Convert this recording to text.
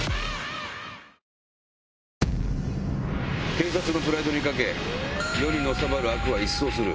警察のプライドに懸け世にのさばる悪は一掃する。